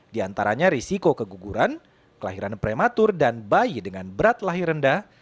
di antaranya risiko keguguran kelahiran prematur dan bayi dengan berat lahir rendah